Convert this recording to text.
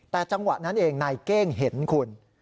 แต่จังหวะนั้นเองนายเก้งเห็นคุณ